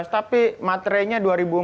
tapi materainya dua ribu empat belas